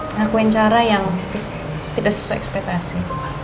ngakuin cara yang tidak sesuai ekspektasi